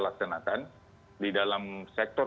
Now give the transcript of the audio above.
laksanakan di dalam sektor